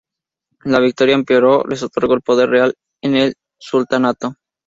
La victoria, empero, les otorgó el poder real en el sultanato.